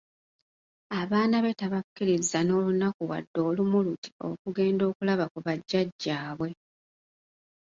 Abaana be tabakkiriza n'olunaku wadde olumu luti okugenda okulaba ku bajjajjaabwe.